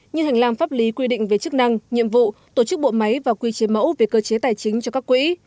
như hành lang pháp lý quy định về chức năng nhiệm vụ tổ chức bộ máy và quy chế mẫu về cơ chế tài chính cho các quỹ